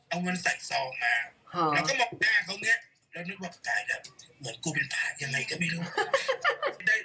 เอาเงินใส่ซองมาแล้วก็มาแก้เขาอย่างนี้แล้วนึกว่ากายแบบเหมือนกูเป็นฐานยังไงก็ไม่รู้